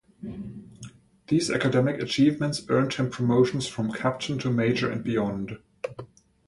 These academic achievements earned him promotions from captain to major and beyond.